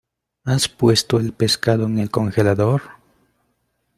¿Has puesto el pescado en el congelador?